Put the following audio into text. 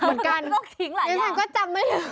เหมือนกันก็ทิ้งหลายอย่างฉันก็จำไม่ลืม